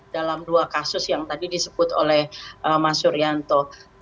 dalam dua kasus yang tadi disebut oleh mas suryanto